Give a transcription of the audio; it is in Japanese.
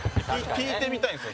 聞いてみたいんですよ。